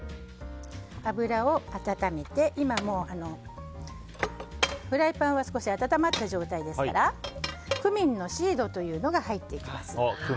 油を温めて今、フライパンは少し温まった状態ですからクミンのシードというのが入っていきます。